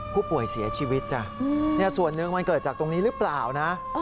ผู้เสียชีวิตจ้ะส่วนหนึ่งมันเกิดจากตรงนี้หรือเปล่านะ